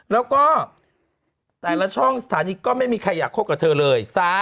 แล้วก็แต่ละช่องสถานีก็ไม่มีใครอยากคบกับเธอเลย